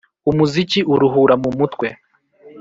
Umuziki uruhura mumutwe